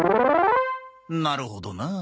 なるほどな。